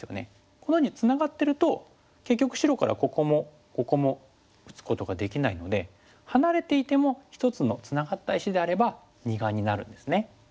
このようにツナがってると結局白からここもここも打つことができないので離れていても一つのツナがった石であれば二眼になるんですね。